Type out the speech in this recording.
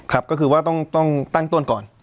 ครับก็คือว่าต้องตั้งต้นก่อน